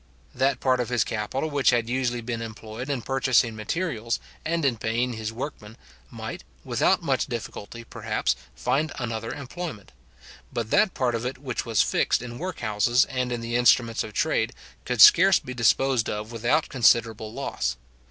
That part of his capital which had usually been employed in purchasing materials, and in paying his workmen, might, without much difficulty, perhaps, find another employment; but that part of it which was fixed in workhouses, and in the instruments of trade, could scarce be disposed of without considerable loss.